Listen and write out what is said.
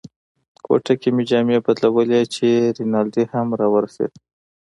کوټه کې مې جامې بدلولې چې رینالډي هم را ورسېد.